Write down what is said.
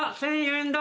１，０００円だ。